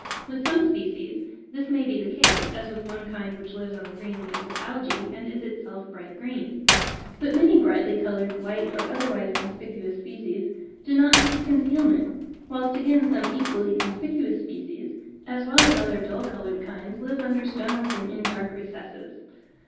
With some species this may be the case, as with one kind which lives on the green leaves of algae, and is itself bright green. But many brightly coloured, white, or otherwise conspicuous species, do not seek concealment; whilst again some equally conspicuous species, as well as other dull coloured kinds live under stones and in dark recesses.